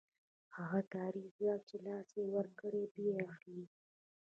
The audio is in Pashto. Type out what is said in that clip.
هغه کاري ځواک چې له لاسه یې ورکړی بیا اخلي